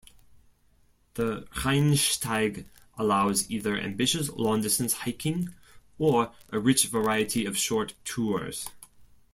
The Rheinsteig allows either ambitious long-distance hiking or a rich variety of short tours.